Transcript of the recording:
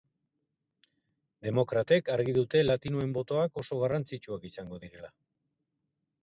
Demokratek argi dute latinoen botoak oso garrantzitsuak izango direla.